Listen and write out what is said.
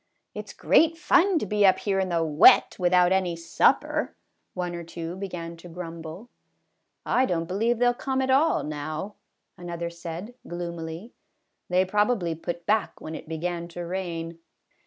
" It 's great fun to be up here in the wet without any supper," one or two began to grumble. " I don't believe they '11 come at all, now," another said gloomily; "they probably put back when it began to rain."